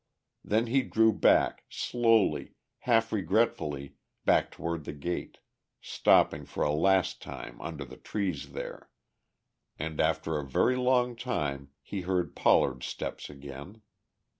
Then he drew back, slowly, half regretfully, back toward the gate, stopping for a last time under the trees there. And after a very long time he heard Pollard's steps again.